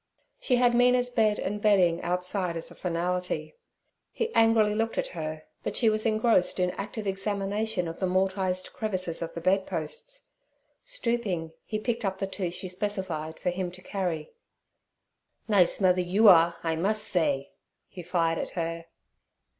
She had Mina's bed and bedding outside as a finality. He angrily looked at her, but she was engrossed in active examination of the mortised crevices of the bedposts. Stooping, he picked up the two she specified for him to carry. 'Nise mother you are, I mus' say' he fired at her.